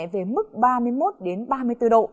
với mức ba mươi một đến ba mươi bốn độ